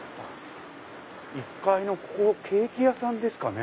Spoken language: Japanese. １階がケーキ屋さんですかね。